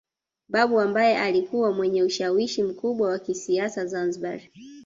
Babu ambaye alikuwa mwenye ushawishi mkubwa wa kisiasa Zanzibar